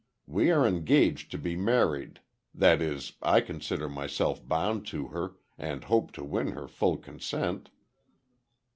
We are engaged to be married—that is, I consider myself bound to her, and hope to win her full consent."